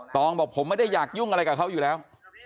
องบอกผมไม่ได้อยากยุ่งอะไรกับเขาอยู่แล้ว